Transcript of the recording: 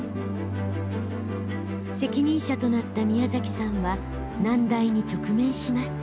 責任者となった宮崎さんは難題に直面します。